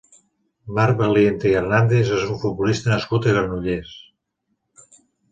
Marc Valiente i Hernández és un futbolista nascut a Granollers.